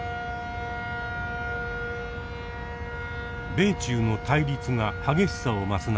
米中の対立が激しさを増す中